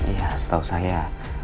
ya setahu saya